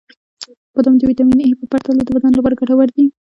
• بادام د ویټامین ای په پرتله د بدن لپاره ګټور دي.